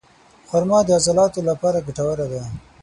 خرما د عضلاتو لپاره ګټوره ده.